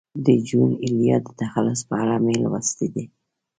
د جون ایلیا د تخلص په اړه مې لوستي دي.